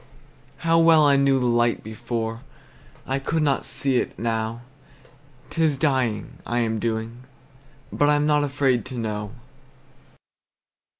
How well I knew the light before! I could not see it now. 'T is dying, I am doing; but I'm not afraid to know.